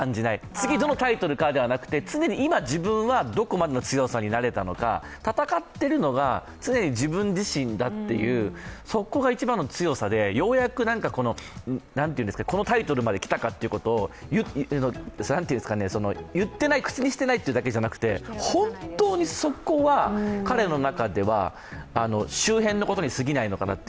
次はどのタイトルかではなくて常に今、自分はどこまでの強さになれたのか戦っているのが常に自分自身だという、そこが一番の強さで、ようやくこのタイトルまで来たかと、言っていない、口にしていないというだけじゃなくて本当に、そこは彼の中では周辺のことにすぎないのかなと。